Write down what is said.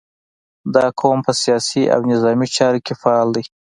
• دا قوم په سیاسي او نظامي چارو کې فعال دی.